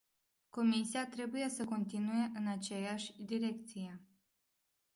Comisia trebuie să continue în aceeași direcție.